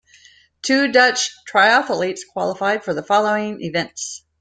Two Dutch triathletes qualified for the following events.